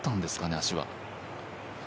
足は。